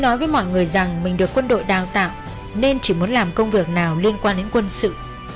nói với mọi người rằng mình được quân đội đào tạo nên chỉ muốn làm công việc nào liên quan đến quân sự